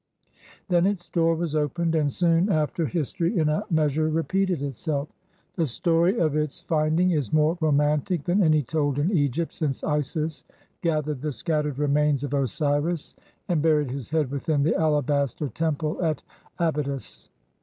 Then its door was opened, and soon after history in a measure repeated itself. The story of its finding is more romantic than any told in Egypt since Isis gathered the scattered remains of Osiris and buried his head within the alabaster temple at Abydus.